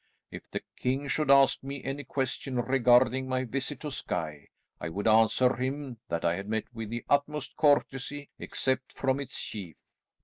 If the king should ask me any question regarding my visit to Skye, I would answer him, that I had met with the utmost courtesy, except from its chief.